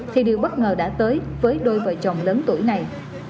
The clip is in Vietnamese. thì điều bất ngờ đã tới với đôi vợ chồng lớn tuổi này